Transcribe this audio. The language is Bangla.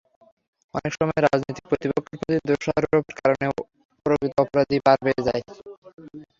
অনেক সময় রাজনৈতিক প্রতিপক্ষের প্রতি দোষারোপের কারণে প্রকৃত অপরাধী পার পেয়ে যায়।